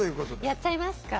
やっちゃいますか？